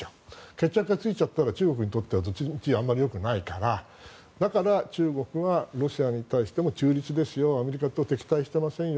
決着がついたら中国にとってはどっちみちあまりよくないからだから、中国はロシアに対しても中立ですよアメリカと敵対してませんよ